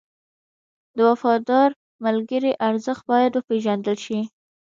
د وفادار ملګري ارزښت باید وپېژندل شي.